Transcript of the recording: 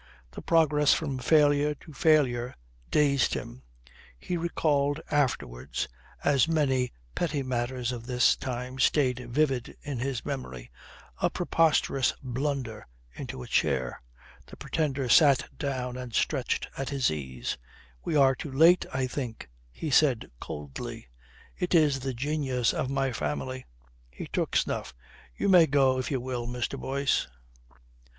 The progress from failure to failure dazed him. He recalled afterwards, as many petty matters of this time stayed vivid in his memory, a preposterous blunder into a chair. The Pretender sat down and stretched at his ease. "We are too late, I think," he said coldly. "It is the genius of my family." He took snuff. "You may go, if you will, Mr. Boyce."